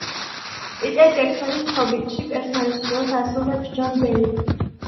პიტერ ჯექსონის „ჰობიტში“ პერსონაჟის როლს ასრულებს ჯონ ბელი.